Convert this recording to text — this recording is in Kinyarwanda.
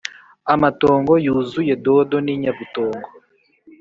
amatongo yuzuye dodo n’inyabutongo